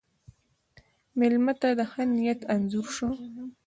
مېلمه ته د ښه نیت انځور شه.